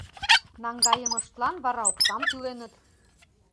Наҥгайымыштлан вара оксам тӱленыт.